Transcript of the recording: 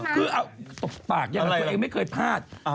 คือเอาตบปากอย่างนั้นคุณเองไม่เคยพลาด